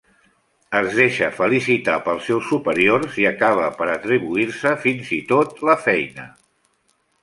Es deixa felicitar pels seus superiors, i acaba per atribuir-se fins i tot la feina.